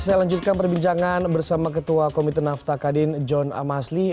saya lanjutkan perbincangan bersama ketua komite nafta kadin john amasli